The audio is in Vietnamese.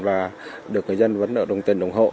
và được người dân vẫn đồng tình ủng hộ